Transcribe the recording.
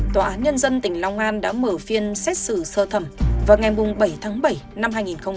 tòa án nhân dân tỉnh long an đã mở phiên xét xử sơ thẩm vào ngày bảy tháng bảy năm hai nghìn một mươi chín